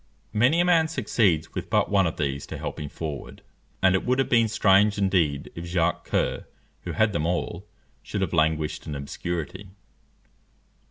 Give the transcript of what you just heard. Many a man succeeds with but one of these to help him forward; and it would have been strange indeed if Jacques Coeur, who had them all, should have languished in obscurity.